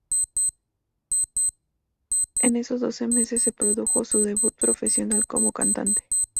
En esos doce meses se produjo su debut profesional como cantante.